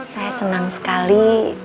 saya seneng sekali